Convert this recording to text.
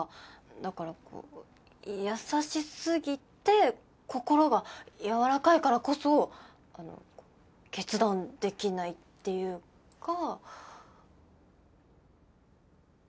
だからこう優しすぎて心が柔らかいからこそあの決断できないっていうか。